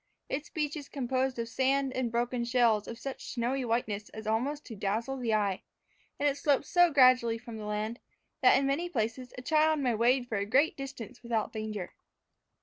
Its beach is composed of sand and broken shells of such snowy whiteness as almost to dazzle the eye, and it slopes so gradually from the land, that, in many places, a child may wade for a great distance without danger.